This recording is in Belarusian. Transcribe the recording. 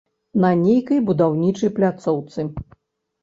На нейкай будаўнічай пляцоўцы.